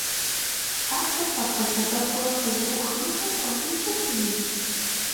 Картэр къэбгъэсэбэпурэ къызэӀухыныгъэ пхуэщӀынкӀэ хъуну?